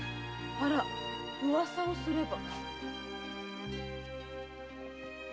あら噂をすれば。